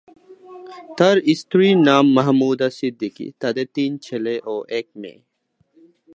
তার স্ত্রীর নাম মাহমুদা সিদ্দিকী; তাদের তিন ছেলে ও এক মেয়ে।